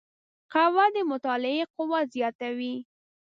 قهوه د مطالعې قوت زیاتوي